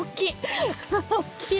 大きい。